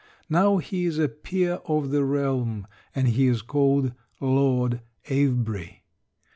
Now he is a peer of the realm, and he is called Lord Avebury.